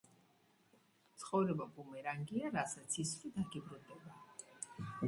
ცხოვრება ბუმერანგია, რასაც ისვრი დაგიბრუნდება.